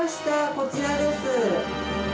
こちらです。